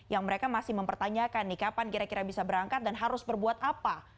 yang mereka masih mempertanyakan nih kapan kira kira bisa berangkat dan harus berbuat apa